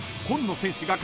今野選手。